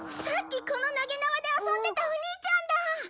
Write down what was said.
さっきこのなげなわで遊んでたお兄ちゃんだ。